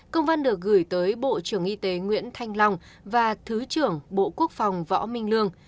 công văn được gửi tới bộ trưởng y tế nguyễn thanh long và thứ trưởng bộ quốc phòng võ minh lương